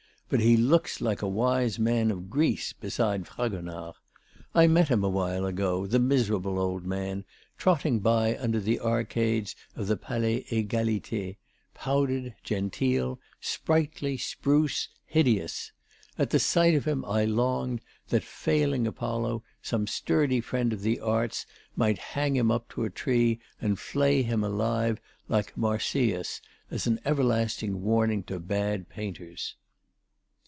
But he looks like a wise man of Greece beside Fragonard. I met him, a while ago, the miserable old man, trotting by under the arcades of the Palais Égalité, powdered, genteel, sprightly, spruce, hideous. At sight of him, I longed that, failing Apollo, some sturdy friend of the arts might hang him up to a tree and flay him alive like Marsyas as an everlasting warning to bad painters."